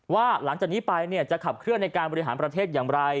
ว่าหลังจากนี้ไปจะขับเคลื่อนในการบริหารประเทศอย่างไร